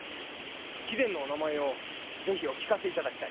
貴殿のお名前をぜひお聞かせ願いたい。